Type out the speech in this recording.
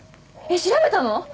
調べたの？